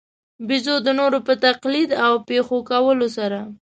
بېزو د نورو په تقلید او پېښو کولو سره.